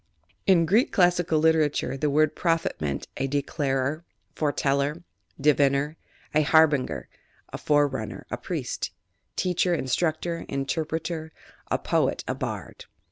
— In Greek classical literature, the word prophet meant, a declarer, foreteller, diviner, a harbinger, a forerunner, a priest, teacher, instructor, interpreter; a poet, a bard.